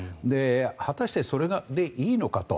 果たして、それでいいのかと。